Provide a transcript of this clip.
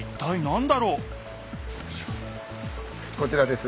こちらです。